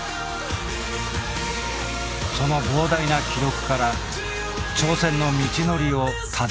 その膨大な記録から挑戦の道のりをたどる。